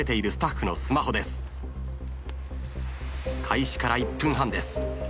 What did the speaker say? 開始から１分半です。